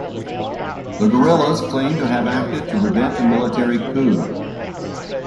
The guerrillas claimed to have acted to prevent a military coup.